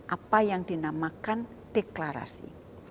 apa yang dinamakan deklarasi